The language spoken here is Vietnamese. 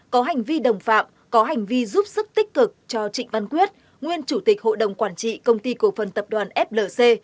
có hành vi đồng phạm có hành vi giúp sức tích cực cho trịnh văn quyết nguyên chủ tịch hội đồng quản trị công ty cổ phần tập đoàn flc